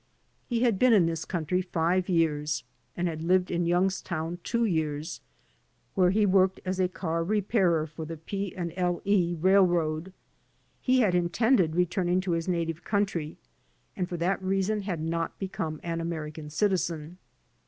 He had been in this coimtry five years and had lived in Youngstown two years, where he worked as a car re pairer for the P. & L. E. R. R. He had intended returning to his native country and for that reason had not become an American citizen.